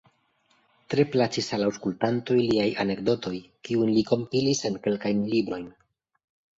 Tre plaĉis al aŭskultantoj liaj anekdotoj, kiujn li kompilis en kelkajn librojn.